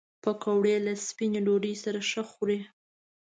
پکورې له سپینې ډوډۍ سره ښه خوري